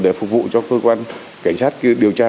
để phục vụ cho cơ quan cảnh sát điều tra